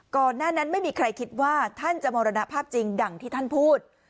ก่อนหน้านั้นไม่มีใครคิดว่าท่านจะมรณภาพจริงดังที่ท่านพูด